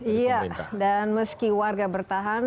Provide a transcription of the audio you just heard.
iya dan meski warga bertahan